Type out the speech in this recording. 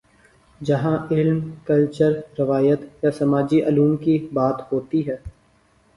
جہاں علم، کلچر، روایت یا سماجی علوم کی بات ہوتی ہے۔